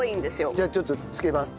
じゃあちょっとつけます。